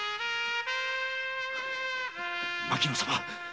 牧野様。